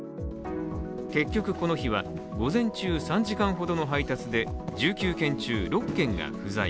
結局、この日は午前中３時間ほどの配達で１９軒中６軒が不在。